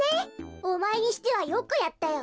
おまえにしてはよくやったよ。